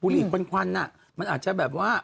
บุหรี่ค้นน่ะมันอาจจะแบบว่า